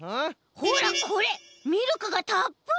ほらこれミルクがたっぷり！